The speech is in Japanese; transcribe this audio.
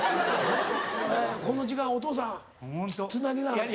この時間お父さんつなぎなはれ。